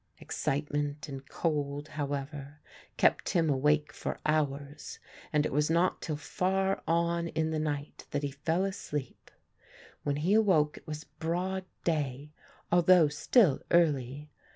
Excitement and cold, however, kept him awake for hours and it was not till far on in the night that he fell asleep. When he awoke it was broad day, although still early.